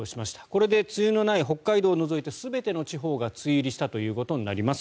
これで梅雨のない北海道を除いて全ての地方が梅雨入りしたということになります。